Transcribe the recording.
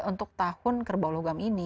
untuk tahun kerbau logam ini